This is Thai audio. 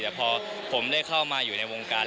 แต่พอผมได้เข้ามาอยู่ในวงการ